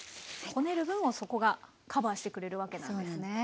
こねる分をそこがカバーしてくれるわけなんですね。